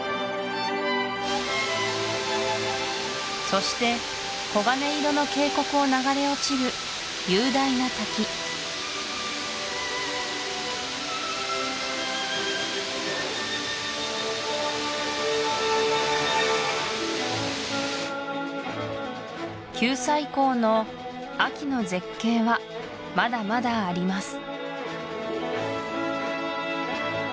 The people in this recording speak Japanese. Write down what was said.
そして黄金色の渓谷を流れ落ちる雄大な滝九寨溝の秋の絶景はまだまだあります